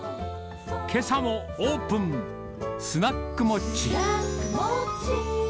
けさもオープン、スナックモッチー。